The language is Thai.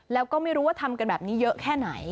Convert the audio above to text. แล้วก็ไม่รู้ว่าทำกันแบบนี้เยอะแค่ไหน